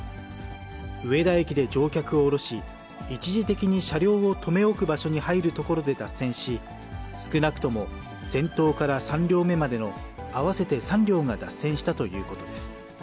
上田駅で乗客を降ろし、一時的に車両を留め置く場所に入る所で脱線し、少なくとも先頭から３両目までの合わせて３両が脱線したということです。